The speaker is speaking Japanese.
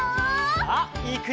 さあいくよ！